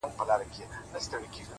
o گرانه شاعره له مودو راهسي ـ